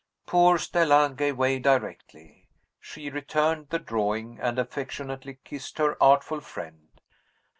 Poor Stella gave way directly. She returned the drawing, and affectionately kissed her artful friend.